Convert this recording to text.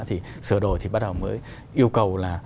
thì sửa đổi thì bắt đầu mới yêu cầu là